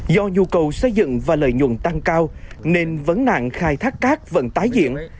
do nhu cầu xây dựng và lợi nhuận tăng cao nên vấn nạn khai thác cát vẫn tái diễn